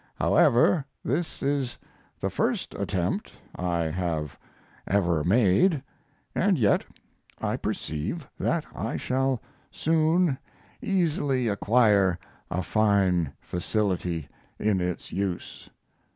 However, this is the first attempt I ever have made, and yet I perceive that I shall soon easily acquire a fine facility in its use.